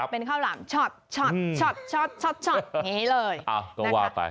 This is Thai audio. เป็นข้าวหลามช็อตอย่างนี้เลย